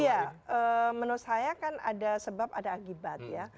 iya menurut saya kan ada sebab ada akibat ya